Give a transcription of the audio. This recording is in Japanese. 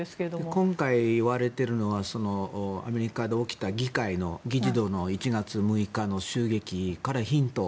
今回いわれているのはアメリカで起きた議会の議事堂の１月６日の襲撃からヒントを。